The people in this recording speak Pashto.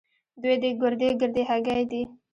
دوې دې ګردۍ ګردۍ هګۍ دي.